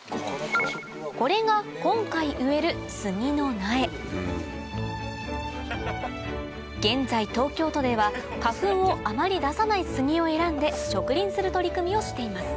これが今回植える現在東京都では花粉をあまり出さないスギを選んで植林する取り組みをしています